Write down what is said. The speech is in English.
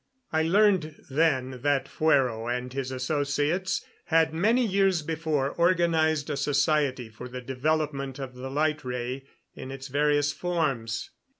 I learned then that Fuero and his associates had many years before organized a society for the development of the light ray in its various forms.